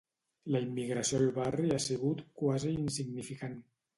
La immigració al barri ha sigut quasi insignificant.